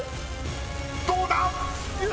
［どうだ⁉］